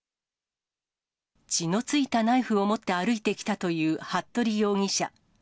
血の付いたナイフを持って歩いてきたという服部容疑者。